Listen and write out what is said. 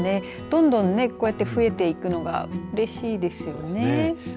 どんどん増えていくのがうれしいですよね。